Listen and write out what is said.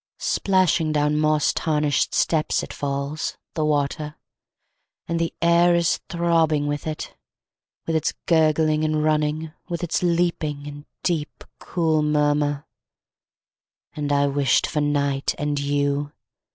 Splashing down moss tarnished steps It falls, the water; And the air is throbbing with it. With its gurgling and running. With its leaping, and deep, cool murmur. And I wished for night and you.